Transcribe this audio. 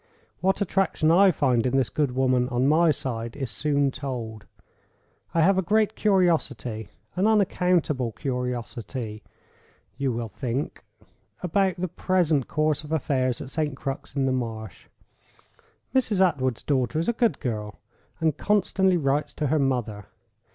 What attraction I find in this good woman, on my side, is soon told. I have a great curiosity—an unaccountable curiosity, you will think—about the present course of household affairs at St. Crux in the Marsh. Mrs. Attwood's daughter is a good girl, and constantly writes to her mother.